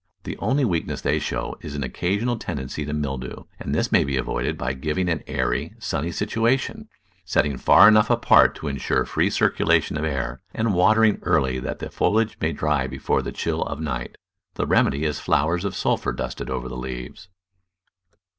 The only weakness they show is an occasional tendency to mildew, and this may be avoided by giv ing an airy, sunny situation, setting far enough apart to insure free circulation of air, and watering early that the foliage may dry before the chill of night. The remedy is flowers of sulphur dusted over the leaves.